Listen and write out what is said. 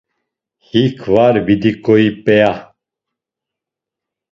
Hik var vidiǩoi p̌iya?